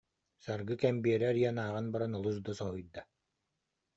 Саргы кэмбиэри арыйан ааҕан баран олус да соһуйда